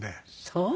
そう。